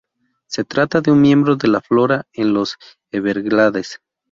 Se trata de un miembro de la flora en los Everglades.